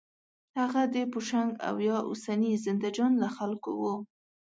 هغه د پوشنګ او یا اوسني زندهجان له خلکو و.